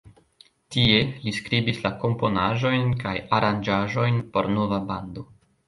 Tie, li skribis la komponaĵojn kaj aranĝaĵojn por nova bando.